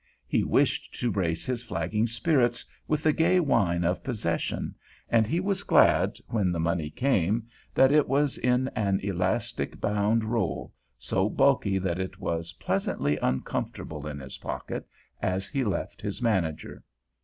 He wished to brace his flagging spirits with the gay wine of possession, and he was glad, when the money came, that it was in an elastic bound roll, so bulky that it was pleasantly uncomfortable in his pocket as he left his manager.